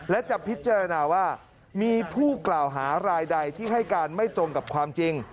และจะพิจารณาว่ามีผู้กล่าวหารายใดที่ให้การไม่ตรงกับความจริง